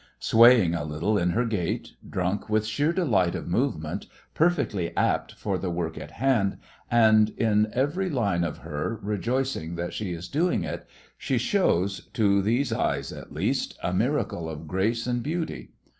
Swaying a little in her gait, drunk with sheer delight of movement, perfectly apt for the work in hand, and in every line of her rejoicing that she is doing it, she shows, to these eyes at least, a miracle of grace and beauty.